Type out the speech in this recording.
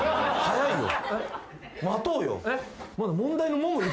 早いよ。